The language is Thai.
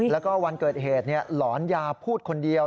แล้วก็วันเกิดเหตุหลอนยาพูดคนเดียว